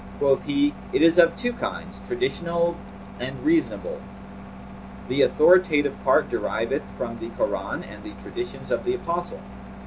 Quoth he, 'It is of two kinds, traditional and reasonable. The authoritative part deriveth from the Koran and the Traditions of the Apostle.